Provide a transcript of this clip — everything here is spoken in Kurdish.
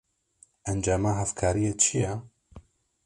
Encama hevkariyê çi ye?